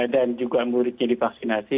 dan juga muridnya divaksinasi